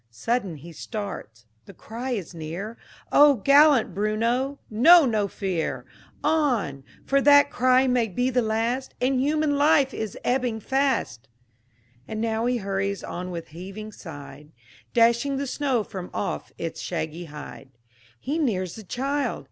Sudden he starts the cry is near On, gallant Bruno! know no fear! On! for that cry may be the last, And human life is ebbing fast! And now he hurries on with heaving side, Dashing the snow from off its shaggy hide; He nears the child!